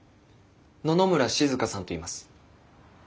野々村静さんといいます。